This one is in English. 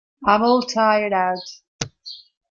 I am all tired out.